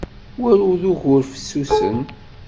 Wa ur d ugur fessusen.